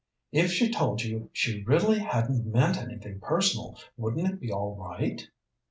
"If she told you she really hadn't meant anything personal, wouldn't it be all right?"